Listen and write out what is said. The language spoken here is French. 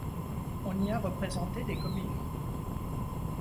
On y a représenté des comédies.